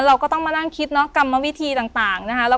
เราก็ต้องมานั่งคิดกรรมวิธีต่าง